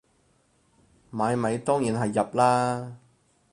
買米當然係入喇